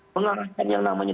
pengarahan yang namanya